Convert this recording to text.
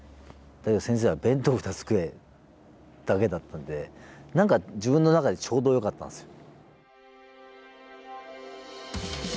だけど先生は「弁当２つ食え」だけだったんで何か自分の中でちょうどよかったんですよ。